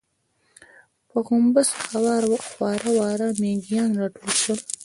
پر غومبسه خواره واره مېږيان راټول شول.